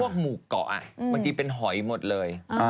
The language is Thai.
หมู่เกาะบางทีเป็นหอยหมดเลย